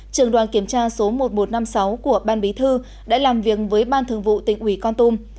trường đoàn kiểm tra số một nghìn một trăm năm mươi sáu của ban bí thư đã làm việc với ban thường vụ tỉnh ủy con tum